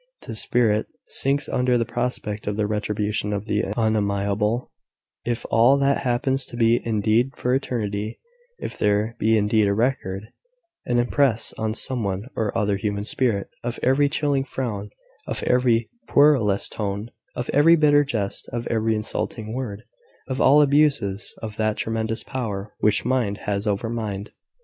The spirit sinks under the prospect of the retribution of the unamiable, if all that happens be indeed for eternity, if there be indeed a record an impress on some one or other human spirit of every chilling frown, of every querulous tone, of every bitter jest, of every insulting word of all abuses of that tremendous power which mind has over mind.